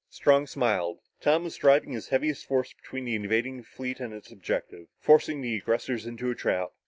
Strong smiled. Tom was driving his heaviest force between the invading fleet and its objective forcing the aggressors into a trap.